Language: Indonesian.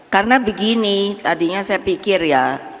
karena begini tadinya saya pikir ya